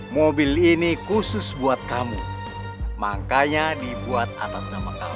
mobil ini khusus buat kamu makanya dibuat atas nama kamu